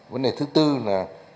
vấn đề thứ tư là